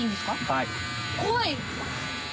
はい。